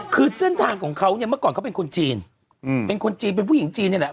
คือเส้นทางของเขาเนี่ยเมื่อก่อนเขาเป็นคนจีนเป็นคนจีนเป็นผู้หญิงจีนนี่แหละ